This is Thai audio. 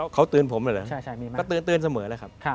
เขาเตือนผมเหรอครับเขาเตือนเสมอแหละครับ